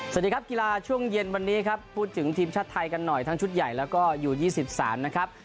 สวัสดีครับกีฬาช่วงเย็นวันนี้ครับพูดถึงทีมชาติไทยกันหน่อยทั้งชุดใหญ่แล้วก็อยู่๒๓นะครับ